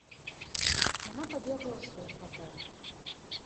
Яна пабегла ў сваю кватэру.